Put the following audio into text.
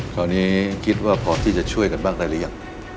ตอนนี้คิดว่าพอที่จะช่วยกันบ้างแล้วยัง